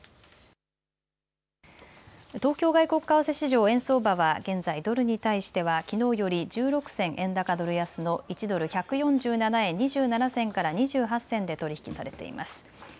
東京外国為替市場、円相場は現在ドルに対してはきのうより１６銭円高ユーロ安の１ドル１４７円２７銭から２８銭で取り引きされています。